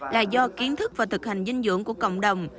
là do kiến thức và thực hành dinh dưỡng của cộng đồng